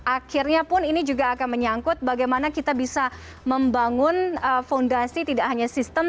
akhirnya pun ini juga akan menyangkut bagaimana kita bisa membangun fondasi tidak hanya sistem